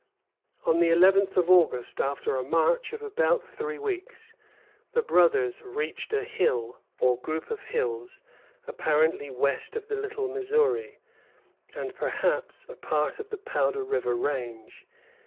On the 11th of August, after a march of about three weeks, the brothers reached a hill, or group of hills, apparently west of the Little Missouri, and perhaps a part of the Powder River Range.